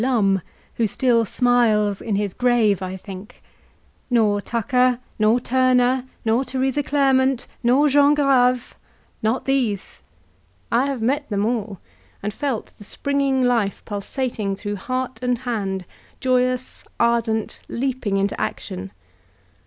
Lum, who still smiles in his grave, I think ; nor Tucker, nor Turner, nor Theresa Qairmunt, nor Jean Grave — ^not these. I have met them all, and felt the springing life pulsating through heart and hand, joyous, ardent, leaping into action.